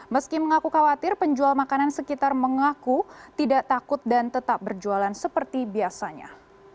meski mengaku khawatir penjual makanan sekitar mengaku tidak takut dan tetap berjualan seperti biasanya